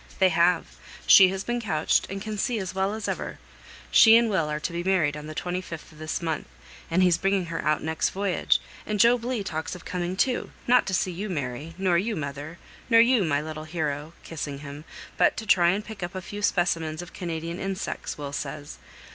"They have. She has been couched, and can see as well as ever. She and Will are to be married on the twenty fifth of this month, and he's bringing her out here next voyage; and Job Legh talks of coming too, not to see you, Mary, nor you, mother, nor you, my little hero" (kissing him), "but to try and pick up a few specimens of Canadian insects, Will says.